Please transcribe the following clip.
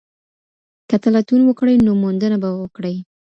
که ته لټون وکړې نو موندنه به وکړې.